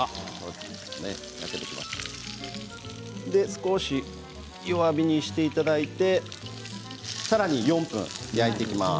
少し弱火にしていただいてさらに４分焼いていきます。